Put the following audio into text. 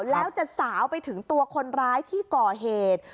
แล้วจะสาวไปถึงตัวคนร้ายที่ก่อเหตุ